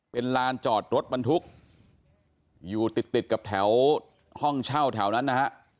เป็นลานจอดรถบรรทุกอยู่ติดติดกับแถวห้องเช่าแถวนั้นนะฮะ